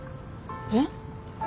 えっ？